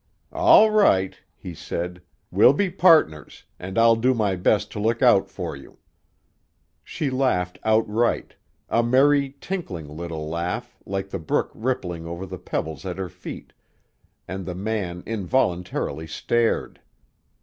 "All right," he said. "We'll be partners, and I'll do my best to look out for you." She laughed outright, a merry, tinkling little laugh like the brook rippling over the pebbles at her feet, and the man involuntarily stared.